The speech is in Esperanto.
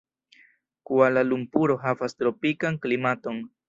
Kuala-Lumpuro havas tropikan klimaton.